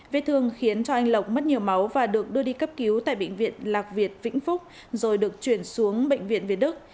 vết thương khiến cho anh lộc mất nhiều máu và được đưa đi cấp cứu tại bệnh viện lạc việt vĩnh phúc rồi được chuyển xuống bệnh viện việt đức